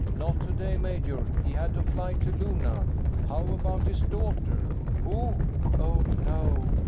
"Not today, major. He had to fly to Luna." "How about his daughter?" "Who?" _Oh, no!